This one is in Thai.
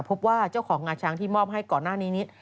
พบว่าเจ้าของงาช้างที่มอบให้ก่อนหน้านี้นี้